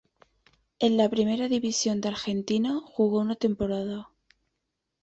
En la Primera División de Argentina jugó una temporada.